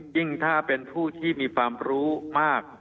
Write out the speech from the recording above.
ยิ่งถ้าเป็นผู้ที่มีความรู้มาก